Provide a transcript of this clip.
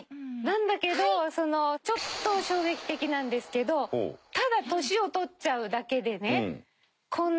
なんだけどちょっと衝撃的なんですけどただ年を取っちゃうだけでねこんなデータがあるんです。